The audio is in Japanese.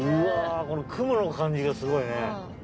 わこの雲の感じがすごいね。